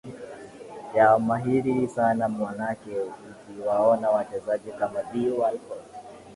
wa mahiri sana maanake ukiwaona wachezaji kama theo walcot